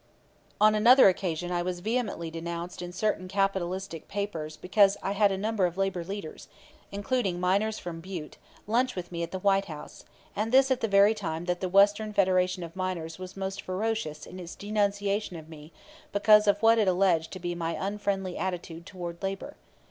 On another occasion I was vehemently denounced in certain capitalistic papers because I had a number of labor leaders, including miners from Butte, lunch with me at the White House; and this at the very time that the Western Federation of Miners was most ferocious in its denunciation of me because of what it alleged to be my unfriendly attitude toward labor.